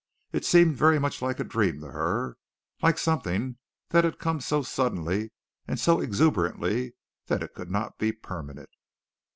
It seemed very much like a dream to her like something that had come so suddenly and so exuberantly that it could not be permanent.